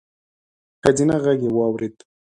ښځينه غږ يې واورېد: